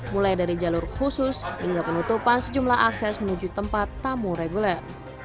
mulai dari jalur khusus hingga penutupan sejumlah akses menuju tempat tamu reguler